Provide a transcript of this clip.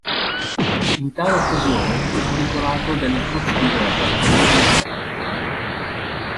In tale occasione fu decorato della Croce di guerra al valor militare.